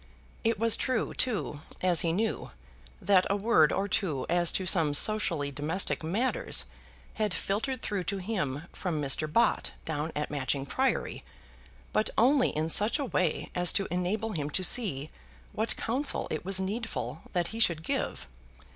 It was true, too, as he knew, that a word or two as to some socially domestic matters had filtered through to him from Mr. Bott, down at Matching Priory, but only in such a way as to enable him to see what counsel it was needful that he should give.